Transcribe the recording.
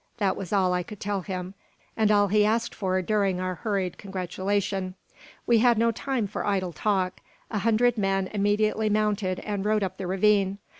That was all I could tell him, and all he asked for during our hurried congratulation. We had no time for idle talk. A hundred men immediately mounted and rode up the ravine.